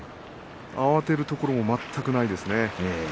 慌てるところも全くないですね。